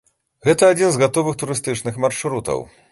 Гэта адзін з гатовых турыстычных маршрутаў.